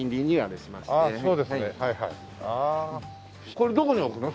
これどこに置くの？